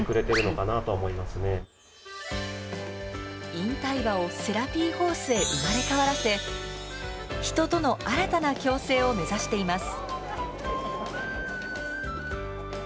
引退馬をセラピーホースに生まれ変わらせ人との新たな共生を目指しています。